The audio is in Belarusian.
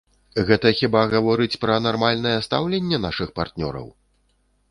Гэта хіба гаворыць пра нармальнае стаўленне нашых партнёраў?!